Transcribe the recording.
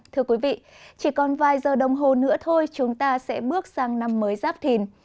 thưa quý vị chỉ còn vài giờ đồng hồ nữa thôi chúng ta sẽ bước sang năm mới giáp thìn